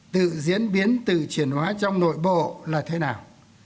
tự diễn biến tự chuyển hóa trong nội bộ là thế nào